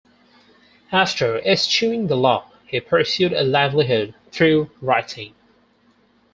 After eschewing the Law, he pursued a livelihood through writing.